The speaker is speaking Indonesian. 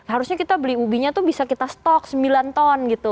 harusnya kita beli ubinya tuh bisa kita stok sembilan ton gitu